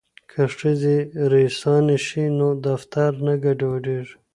که ښځې ریسانې شي نو دفتر نه ګډوډیږي.